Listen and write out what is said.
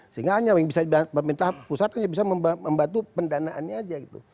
sehingga hanya yang bisa di pemerintah pusatnya bisa membantu pendanaannya aja gitu